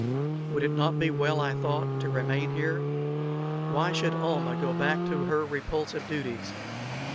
Would it not be well, I thought, to remain here? Why should Almah go back to her repulsive duties?